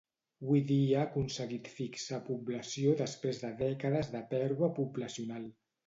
Hui dia ha aconseguit fixar població després de dècades de pèrdua poblacional.